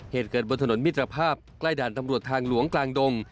เหตุเกิดบนถนนมิตรภาพใกล้ด่านตำรวจทางหลวงกลางดง